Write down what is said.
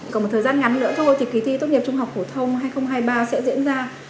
còn một thời gian ngắn nữa thôi thì kỳ thi tốt nghiệp trung học phổ thông hai nghìn hai mươi ba sẽ diễn ra